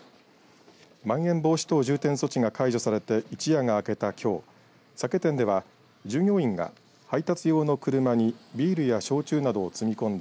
まん延防止等重点措置が解除されて一夜があけたきょう酒店では、従業員が配達用の車にビールや焼酎などを積み込んだ